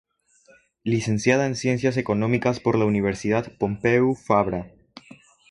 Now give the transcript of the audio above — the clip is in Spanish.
Licenciada en Ciencias Económicas por la Universidad Pompeu Fabra.